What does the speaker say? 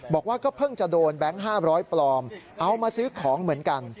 บอกว่าก็เพิ่งจะโดนแบงค์๕๐๐ปลอมเอามาซื้อของเหมือนกัน